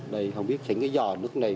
đây không biết xảy ra cái giò nước này